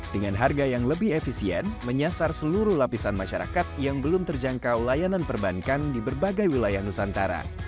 dengan harga yang lebih efisien menyasar seluruh lapisan masyarakat yang belum terjangkau layanan perbankan di berbagai wilayah nusantara